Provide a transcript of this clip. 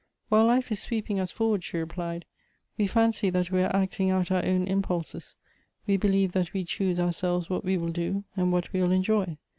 " While life is sweeping us for wards," she replied, "we fancy that we are acting out our own impulses ; we believe that we choose ourselves what we will do, and what we will enjoy.